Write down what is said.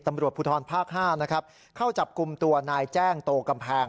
ตำรวจภูทรภาค๕นะครับเข้าจับกลุ่มตัวนายแจ้งโตกำแพง